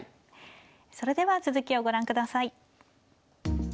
それでは続きをご覧下さい。